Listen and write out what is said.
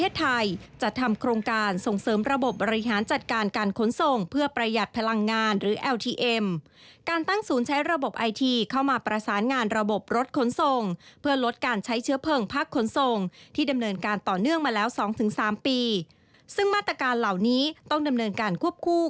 ซึ่งมาตรการเหล่านี้ต้องดำเนินการควบคู่